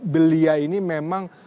belia ini memang